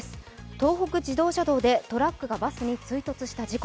東北自動車道でトラックがバスに追突した事故。